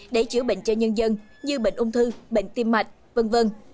để chữa bệnh cho nhân dân như bệnh ung thư bệnh tim mạch v v